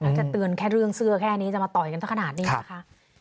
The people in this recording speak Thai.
ถ้าจะเตือนแค่เรื่องเสื้อแค่นี้จะมาต่อยกันสักขนาดนี้นะคะ